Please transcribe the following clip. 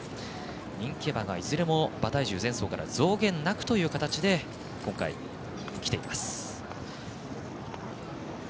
人気馬がいずれも馬体重、前走から増減なくという形で今回、きています。